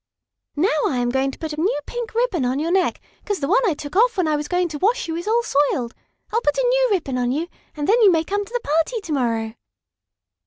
"Now I am going to put a new pink ribbon on your neck, 'cause the one I took off when I was going to wash you is all soiled. I'll put a new ribbon on you and then you may come to the party to morrow."